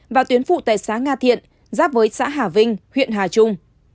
và tuyến phụ tài xã nga thiện giáp với xã hà vinh huyện hà trung